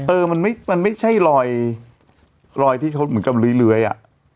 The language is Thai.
เออมันไม่มันไม่ใช่รอยรอยที่เขาเหมือนกับเหลือยเหลือยอ่ะ